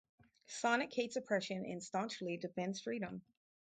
Sonic hates oppression and staunchly defends freedom.